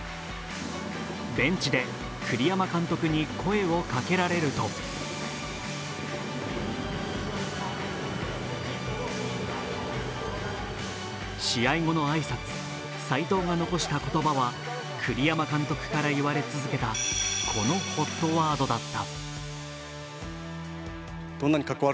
ベンチで栗山監督に声をかけられると試合後の挨拶、斎藤が残した言葉は栗山監督から言われ続けたこのＨＯＴワードだった。